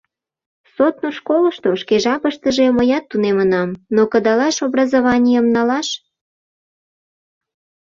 Сотнур школышто шке жапыштыже мыят тунемынам, но кыдалаш образованийым налаш.